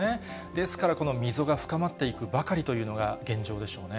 ですから、この溝が深まっていくばかりというのが現状でしょうね。